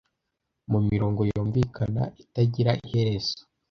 mu mirongo yumvikana itagira iherezo